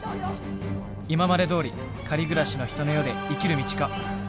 今までどおり借り暮らしの人の世で生きる道か？